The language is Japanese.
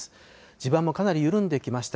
地盤もかなり緩んできました。